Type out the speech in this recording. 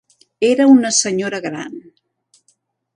Era una senyora gran.